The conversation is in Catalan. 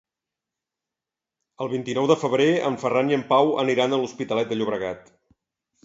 El vint-i-nou de febrer en Ferran i en Pau aniran a l'Hospitalet de Llobregat.